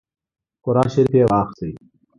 قران شریف یې واخیست.